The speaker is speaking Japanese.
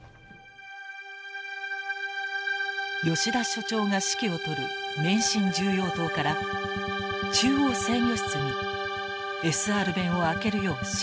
吉田所長が指揮を執る免震重要棟から中央制御室にＳＲ弁を開けるよう指示。